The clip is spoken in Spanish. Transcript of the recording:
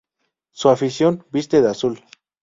Su afición viste de azul.